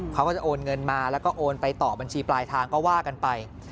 เขาก็จะโอนเงินมาแล้วก็โอนไปต่อบัญชีปลายทางก็ว่ากันไป